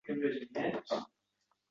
Yuguramiz sahardan to kech